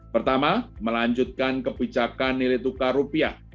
pertama melanjutkan kebijakan nilai tukar rupiah